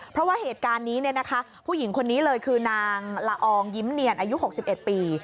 เพราะว่าเหตุการณ์นี้ผู้หญิงคนนี้เลยคือนางละอองยิ้มเนียนอายุ๖๑ปี